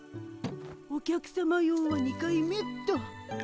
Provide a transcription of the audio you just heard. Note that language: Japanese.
お客さま用は２回目っと。